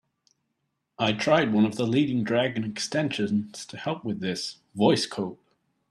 I tried one of the leading Dragon extensions to help with this, Voice Code.